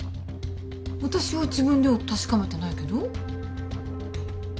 私は自分では確かめてないけど？